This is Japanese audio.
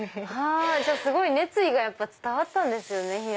すごい熱意が伝わったんですね。